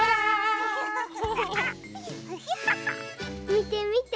みてみて。